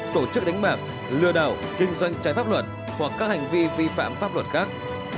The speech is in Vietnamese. tổ chức đánh bạc lừa đảo kinh doanh trái pháp luật hoặc các hành vi vi phạm pháp luật khác